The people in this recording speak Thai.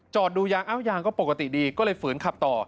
ดูยางอ้าวยางก็ปกติดีก็เลยฝืนขับต่อ